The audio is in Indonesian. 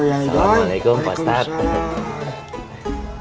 assalamualaikum pak ustadz